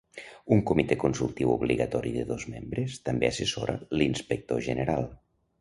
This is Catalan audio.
Un comitè consultiu obligatori de dos membres també assessora l'inspector general.